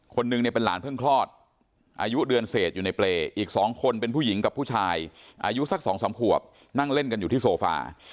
คนนึงเนี่ยเป็นหลานเพิ่งคลอดอายุเดือนเศษอยู่ในเปรย์อีก๒คนเป็นผู้หญิงกับผู้ชายอายุสักสองสามขวบนั่งเล่นกันอยู่ที่โซฟา